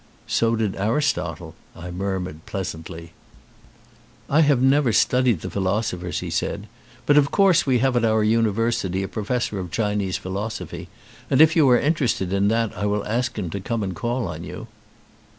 "So did Aristotle," I murmured pleasantly. 189 ON A CHINESE SCREEN "I have never studied the philosophers," he said, "but of course we have at our university a pro fessor of Chinese philosophy and if you are inter ested in that I will ask him to come and call on you."